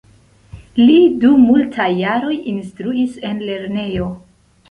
Li dum multaj jaroj instruis en lernejo.